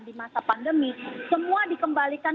di masa pandemi semua dikembalikan